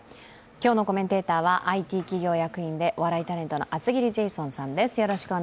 今日のコメンテーターはＩＴ企業役員でお笑いタレントの厚切りジェイソンさんです。